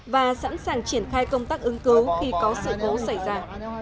và sẵn sàng triển khai công tác ứng cứu khi có sự cố xảy ra